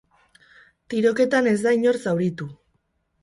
Tiroketan ez da inor zauritu.